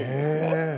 へえ！